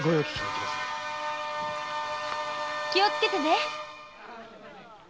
気をつけてね。